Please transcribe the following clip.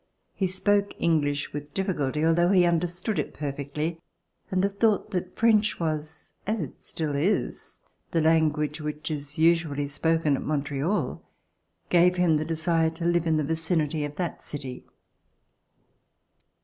He spoke English with difficulty, although he understood it perfectly, and the thought that French was, as it still is, the language which is usually spoken at Montreal, gave him the desire to live in the vicinity of that city.